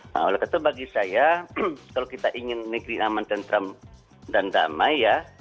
nah oleh karena itu bagi saya kalau kita ingin negeri aman tentram dan damai ya